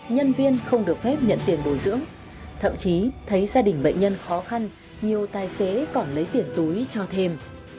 nhân viên không được phép nhận tiền bồi dưỡng thậm chí thấy gia đình bệnh nhân khó khăn nhiều tài xế còn lấy tiền túi cho thêm